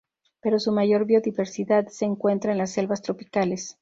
Pero su mayor biodiversidad se encuentra en las selvas tropicales.